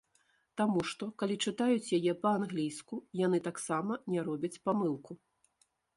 Таму што, калі чытаюць яе па-англійску, яны таксама не робяць памылку.